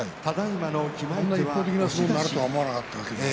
一方的な相撲になるとは思わなかったね。